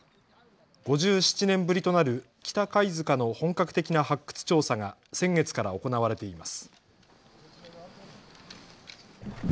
５７年ぶりとなる北貝塚の本格的な発掘調査が先月から行われています。